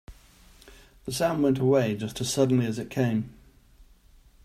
The sound went away just as suddenly as it came.